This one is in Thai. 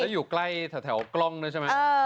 ถ้าอยู่ใกล้แถวกล้องด้วยใช่มั้ย